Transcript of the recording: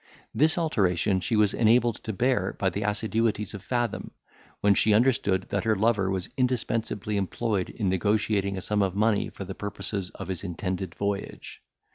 This alteration she was enabled to bear by the assiduities of Fathom, when she understood that her lover was indispensably employed in negotiating a sum of money for the purposes of his intended voyage.